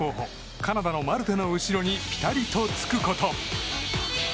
カナダのマルテの後ろにぴたりとつくこと。